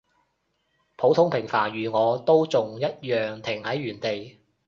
普通平凡如我，都仲一樣停喺原地